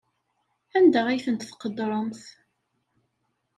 Anda ay ten-tqeddremt?